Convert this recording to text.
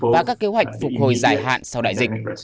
và các kế hoạch phục hồi dài hạn sau đại dịch